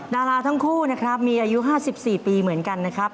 ดาราทั้งคู่นะครับมีอายุ๕๔ปีเหมือนกันนะครับ